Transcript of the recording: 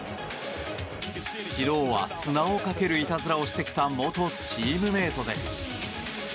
昨日は砂をかけるいたずらをしてきた元チームメートです。